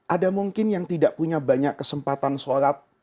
ada mungkin yang tidak punya banyak kesempatan sholat